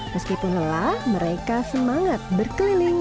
meskipun lelah mereka semangat berkeliling